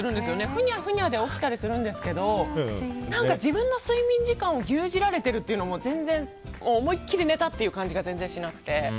ふにゃふにゃで起きたりしますけど何か自分の睡眠時間を牛耳られているのも思い切り寝たっていう感じが全然しなくて。